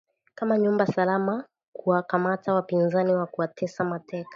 kama nyumba salama kuwakamata wapinzani na kuwatesa mateka